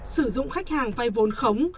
sử dụng khách hàng vay vốn khống